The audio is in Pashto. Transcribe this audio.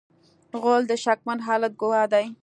غول د شکمن حالت ګواه دی.